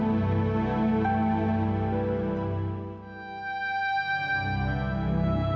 malah dia udah nleb ark sixth dan serba ke tenang di cave